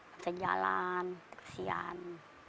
bisa jalan kesian